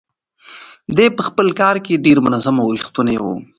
دی په خپل کار کې ډېر منظم او ریښتونی و.